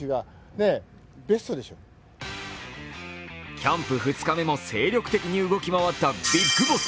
キャンプ２日目も精力的に動き出したビッグボス。